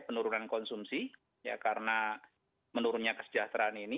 penurunan konsumsi karena menurunnya kesejahteraan ini